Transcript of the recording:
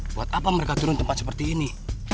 buat apa mereka turun tempat seperti ini